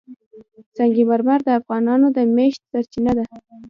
سنگ مرمر د افغانانو د معیشت سرچینه ده.